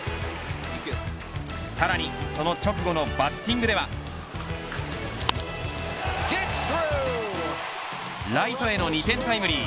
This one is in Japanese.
さらに、その直後のバッティングではライトへの２点タイムリー。